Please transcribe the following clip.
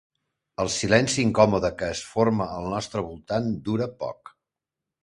El silenci incòmode que es forma al nostre voltant dura poc.